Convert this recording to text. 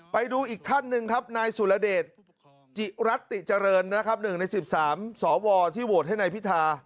ไปดูอีกท่านหนึ่งครับนายสุรเดชจิรัตติเจริญนะครับ๑ใน๑๓สวที่โหวตให้นายพิธา